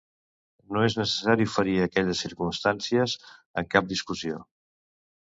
No és necessari oferir aquelles circumstàncies en cap discussió.